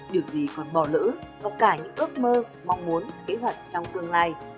điều gì còn bỏ lỡ có cả những ước mơ mong muốn kế hoạch trong tương lai